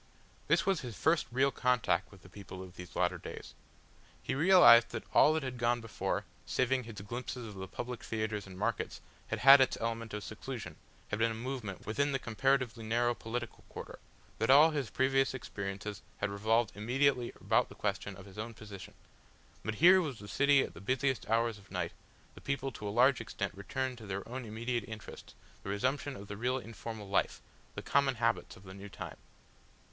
This was his first real contact with the people of these latter days. He realised that all that had gone before, saving his glimpses of the public theatres and markets, had had its element of seclusion, had been a movement within the comparatively narrow political quarter, that all his previous experiences had revolved immediately about the question of his own position. But here was the city at the busiest hours of night, the people to a large extent returned to their own immediate interests, the resumption of the real informal life, the common habits of the new time.